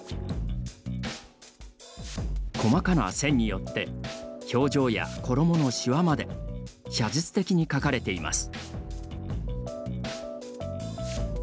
細かな線によって表情や衣のしわまで写実的に描かれています。